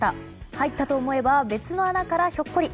入ったと思えば別の穴からひょっこり。